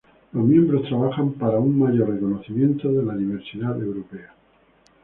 Los miembros trabajan hacia un mayor reconocimiento de La diversidad europea.